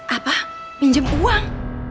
apa minjem uang